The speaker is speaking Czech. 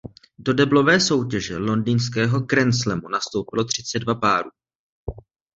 Do deblové soutěže londýnského grandslamu nastoupilo třicet dva párů.